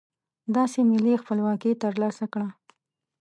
داسې ملي خپلواکي ترلاسه کړه.